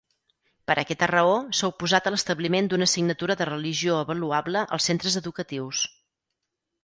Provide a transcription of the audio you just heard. Per aquesta raó s'ha oposat a l'establiment d'una assignatura de religió avaluable als centres educatius.